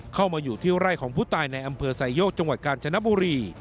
เข้ามาอยู่ที่ไร่ของผู้ตายในอำเภอไซโยกจังหวัดกาญจนบุรี